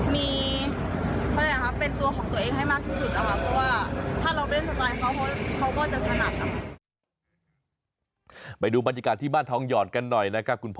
มันมีทางมีการที่ได้ขอมือจุดแข็งออกมาได้